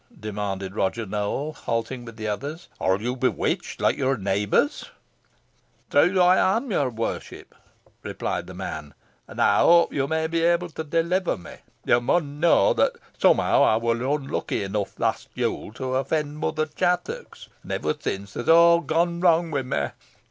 demanded Roger Nowell, halting with the others. "Are you bewitched, like your neighbours?" "Troth am ey, your warship," replied the man, "an ey hope yo may be able to deliver me. Yo mun knoa, that somehow ey wor unlucky enough last Yule to offend Mother Chattox, an ever sin then aw's gone wrang wi' me.